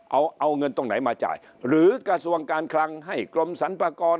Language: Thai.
เอาเอาเงินตรงไหนมาจ่ายหรือกระทรวงการคลังให้กรมสรรพากร